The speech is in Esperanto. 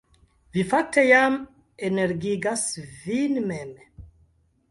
Vi fakte jam energigas vin mem